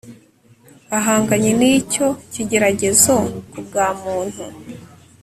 ahanganye nicyo kigeragezo kubwa muntu